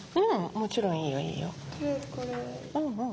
もちろんいいよいいよ。